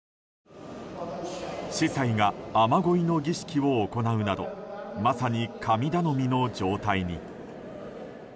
司祭が雨乞いの儀式を行うなどまさに神頼みの状態に。